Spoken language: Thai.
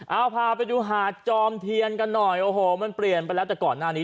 เอาพาไปดูหาดจอมเทียนกันหน่อยโอ้โหมันเปลี่ยนไปแล้วแต่ก่อนหน้านี้